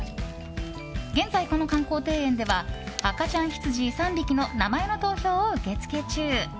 現在、この観光庭園では赤ちゃんヒツジ３匹の名前の投票を受け付け中。